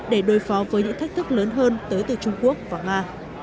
để đối phó với những thách thức lớn hơn tới từ trung quốc và nga